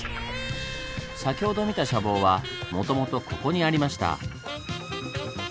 先ほど見た舎房はもともとここにありました。